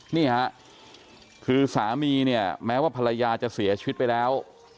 นี่ฮะคือสามีเนี่ยแม้ว่าภรรยาจะเสียชีวิตไปแล้ว